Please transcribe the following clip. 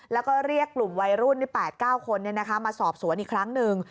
แล้วก็เรียกกลุ่มวัยรุ่น๘๙คนมาสอบสวนอีกครั้งหนึ่ง